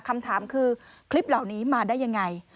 คำถามคือคลิปเหล่านี้มาได้ยังไง